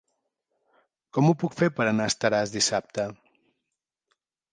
Com ho puc fer per anar a Estaràs dissabte?